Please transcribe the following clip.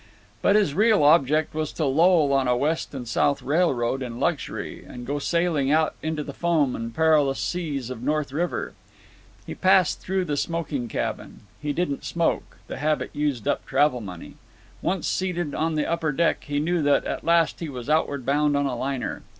But his real object was to loll on a West and South Railroad in luxury, and go sailing out into the foam and perilous seas of North River. He passed through the smoking cabin. He didn't smoke—the habit used up travel money. Once seated on the upper deck, he knew that at last he was outward bound on a liner.